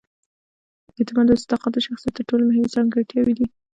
اعتماد او صداقت د شخصیت تر ټولو مهمې ځانګړتیاوې دي.